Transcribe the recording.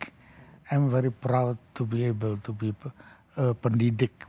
saya sangat bangga bisa menjadi pendidik